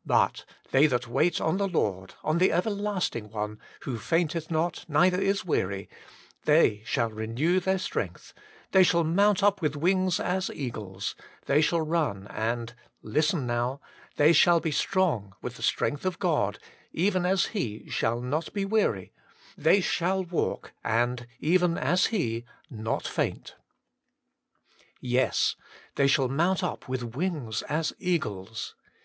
* But they that wait on the Lord,' on the Everlasting One, who fainteth not, neither is weary, they * shall renew their strength ; they shall mount up with wings as eagles ; they shall run and,' — listen now, they shall be strong with the strength of God, even as He * shall not he weary ; they shall walk and,* even as He, * not faint* Yes, 'they shall mount up with wings as eagles.'